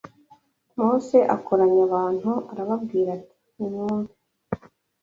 Mose akoranya abantu arababwira ati nimwumve